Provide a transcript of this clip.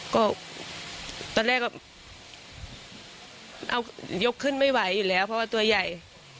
ก็ตอนแรกก็เอายกขึ้นไม่ไหวอยู่แล้วเพราะว่าตัวใหญ่